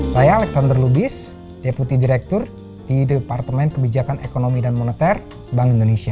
saya alexander lubis deputi direktur di departemen kebijakan ekonomi dan moneter bank indonesia